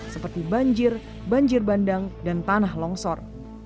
seperti banjir banjir bandang dan tanah longsor